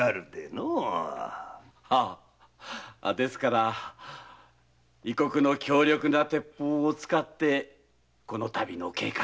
ですから異国の強力な鉄砲を使ってこの度の計画を。